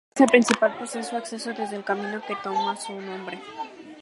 La casa principal posee su acceso desde el camino que toma su nombre.